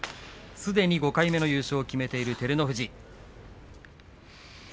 すでに５回目の優勝を決めている照ノ富士。